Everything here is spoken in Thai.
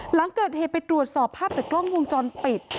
หลังเกิดเหตุไปตรวจสอบภาพจากกล้องวงจรปิด